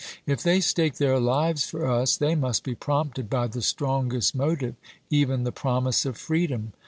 If they stake their lives for us, they must be prompted by the strongest motive, even the promise of freedom.